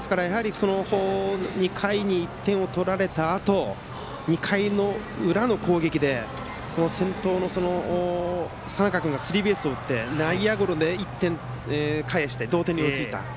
２回に１点を取られたあと２回の裏の攻撃で先頭の、佐仲君がスリーベースを打って内野ゴロで１点返して同点に追いついた。